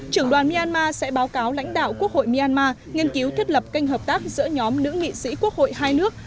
trưởng đoàn myanmar sẽ báo cáo lãnh đạo quốc hội myanmar nghiên cứu thiết lập kênh hợp tác giữa nhóm nữ nghị sĩ quốc hội hai nước